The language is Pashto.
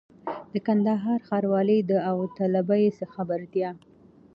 د کندهار ښاروالۍ د داوطلبۍ خبرتیا!